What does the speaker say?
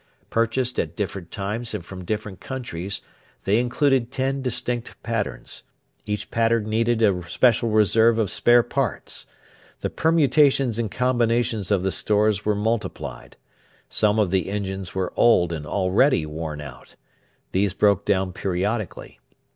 Purchased at different times and from different countries, they included ten distinct patterns; each pattern needed a special reserve of spare parts. The permutations and combinations of the stores were multiplied. Some of the engines were old and already worn out. These broke down periodically.